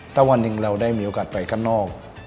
ถ้าวันหนึ่งเราได้มีโอกาสไปข้างนอก